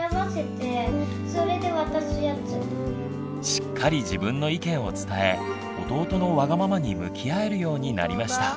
しっかり自分の意見を伝え弟のワガママに向き合えるようになりました。